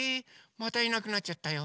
⁉またいなくなっちゃったよ。